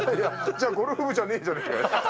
じゃあ、ゴルフ部じゃねえじゃねえかよ。